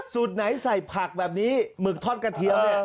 สูตรไหนใส่ผักแบบนี้หมึกทอดกระเทียมเนี่ย